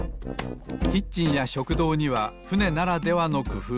キッチンや食堂にはふねならではのくふうが。